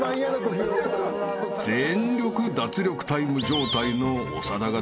［全力脱力タイム状態の］